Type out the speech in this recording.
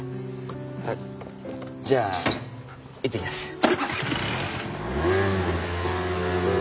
あっじゃあいってきます。